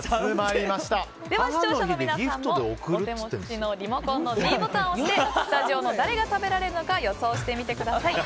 では視聴者の皆さんもお手持ちのリモコンのｄボタンを押してスタジオの誰が食べられるのか予想してみてください。